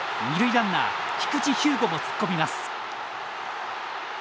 ランナー菊地彪吾も突っ込みます。